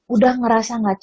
udah ngerasyikan kita gitu ya